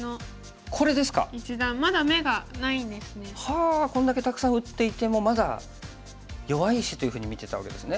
あこんだけたくさん打っていてもまだ弱い石というふうに見ていたわけですね。